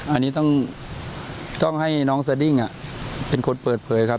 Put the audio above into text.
อันนี้ต้องให้น้องสดิ้งเป็นคนเปิดเผยครับ